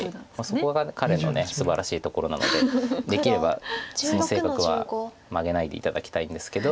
そこが彼のすばらしいところなのでできればその性格は曲げないで頂きたいんですけど。